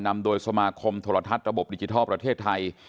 นำโดยสมาคมโทรทัศน์ระบบดิจิทัลประเทศไทย